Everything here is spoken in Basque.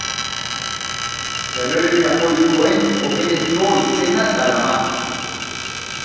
Errege Katolikoen omenezko izena darama.